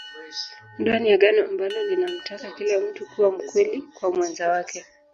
Ndoa ni Agano ambalo linamtaka kila mtu kuwa mkweli kwa mwenza wake